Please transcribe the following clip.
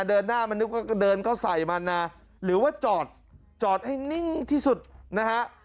เดินหน้ามันนึกว่าเดินเข้าใส่มันนะหรือว่าจอดจอดให้นิ่งที่สุดนะฮะ